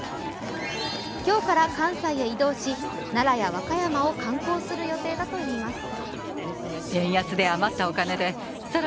今日から関西へ移動し、奈良や和歌山を観光する予定だといいます。